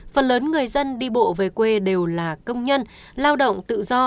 phần lớn người dân đi bộ về quê đều là công nhân lao động tự do